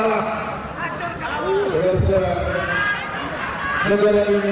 negara ini bisa punah